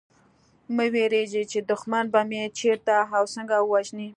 مه وېرېږی چي دښمن به مي چېرته او څنګه ووژني